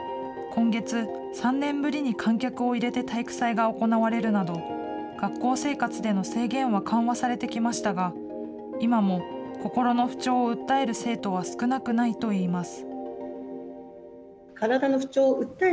今月、３年ぶりに観客を入れて体育祭が行われるなど、学校生活での制限は緩和されてきましたが、今も心の不調を訴える生徒は少なくないといいます。